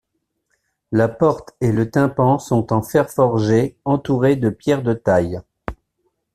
La porte et le tympan sont en fer forgé entourés de pierre de taille.